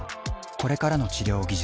これからの治療技術